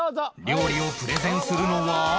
料理をプレゼンするのは